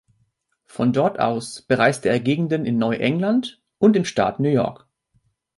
Von dort aus bereiste er Gegenden in Neu England und im Staat New York.